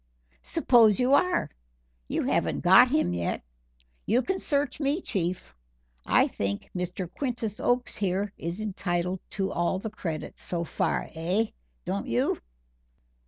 "Suppose you are! you haven't got him yet. You can search me, Chief. I think Mr. Quintus Oakes here is entitled to all the credit so far eh don't you?"